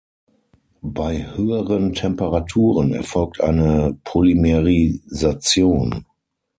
Bei höheren Temperaturen erfolgt eine Polymerisation.